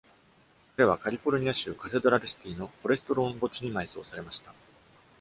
彼は、カリフォルニア州カセドラルシティーのフォレストローン墓地に埋葬されました。